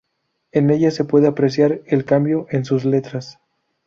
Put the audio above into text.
En ella se puede apreciar el cambio en sus letras.